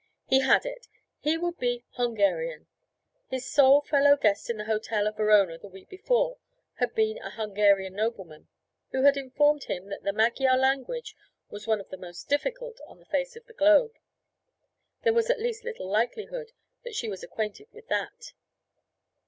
He had it! He would be Hungarian. His sole fellow guest in the hotel at Verona the week before had been a Hungarian nobleman, who had informed him that the Magyar language was one of the most difficult on the face of the globe. There was at least little likelihood that she was acquainted with that.